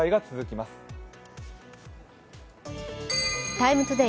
「ＴＩＭＥ，ＴＯＤＡＹ」